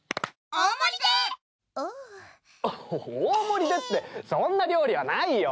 おおもりでってそんな料理はないよ。